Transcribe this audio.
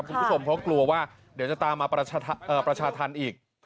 เพราะกลัวว่าเดี๋ยวจะตามมาประชาธรรมอีก